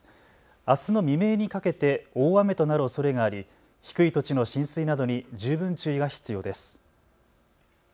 あすの未明にかけて大雨となるおそれがあり低い土地の浸水などに十分注意が必要です。